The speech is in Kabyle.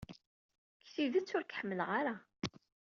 Deg tidet, ur k-ḥemmleɣ ara.